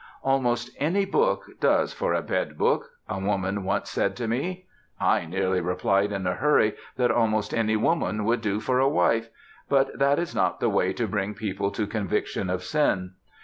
"Almost any book does for a bed book," a woman once said to me. I nearly replied in a hurry that almost any woman would do for a wife; but that is not the way to bring people to conviction of sin.